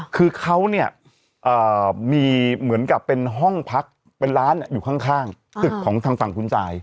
คือเขาเนี่ยมีเหมือนกับเป็นห้องพักเป็นร้านอยู่ข้างตึกของทางฝั่งคุณซาย